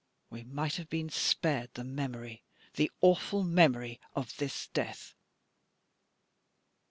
We might have been spared the memory the awful memory of this death!"